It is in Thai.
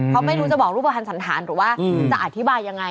เขาไม่รู้จะบอกรูปภัณฑ์สันธารหรือว่าจะอธิบายยังไง